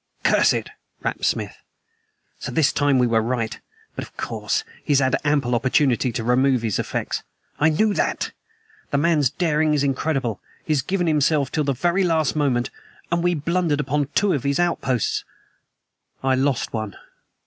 "Curse it!" rapped Smith. "So this time we were right. But, of course, he has had ample opportunity to remove his effects. I knew that. The man's daring is incredible. He has given himself till the very last moment and we blundered upon two of the outposts." "I lost one."